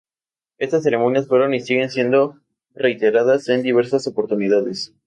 Estas ceremonias fueron y siguen siendo reiteradas en diversas oportunidades.